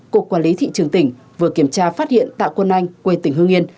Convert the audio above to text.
cục quản lý thị trường tỉnh vừa kiểm tra phát hiện tạ quân anh quê tỉnh hương yên